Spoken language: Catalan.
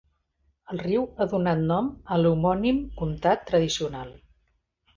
El riu ha donat nom a l'homònim comtat tradicional.